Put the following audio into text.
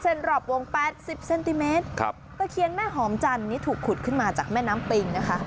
รอบวงแปดสิบเซนติเมตรครับตะเคียนแม่หอมจันนี้ถูกขุดขึ้นมาจากแม่น้ำปิงนะคะ